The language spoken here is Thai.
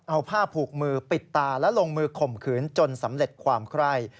เอาผ้าผูกมือปิดตาและลงมือข่มขืนจนสำเร็จความไคร่